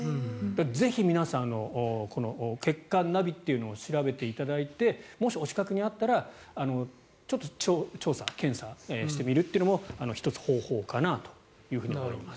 ぜひ、皆さんこの血管ナビというのを調べていただいてもしお近くにあったらちょっと調査検査してみるというのも１つ、方法かなと思います。